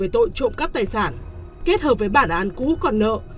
trộm cắp tài sản kết hợp với bản án cũ còn nợ